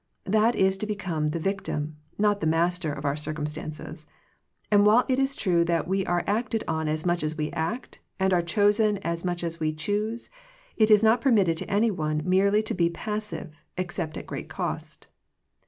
That is to be come the victim, not the master of our circumstances. And while it is true that we are acted on as much as we act, and are chosen as much as we choose, it is not permitted to any one merely to be passive, except at great cost.